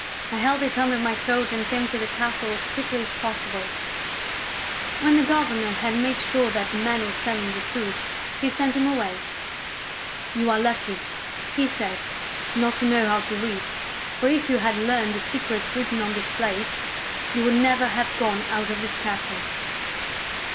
I held it under my coat and came to the castle as quickly as possible." When the governor had made sure that the man was telling the truth, he sent him away. " You are lucky," he said, " not to know how to read. For if you had learned the secrets written on this plate, you would never have gone out of this castle."